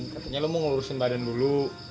katanya lu mau ngelurusin badan dulu